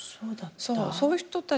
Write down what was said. そうだった？